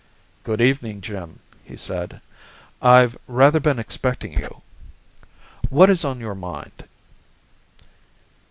"Good evening, Jim," he said. "I've rather been expecting you. What is on your mind?"